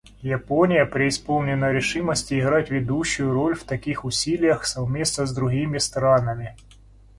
Япония преисполнена решимости играть ведущую роль в таких усилиях совместно с другими странами.